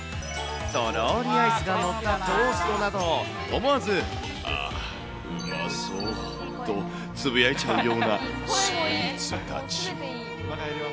とろーりアイスが載ったトーストなど、思わず、ああ、うまそうとつぶやいちゃうような、スイーツたち。